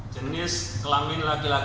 jenis kelamin laki laki usia lima puluh tahun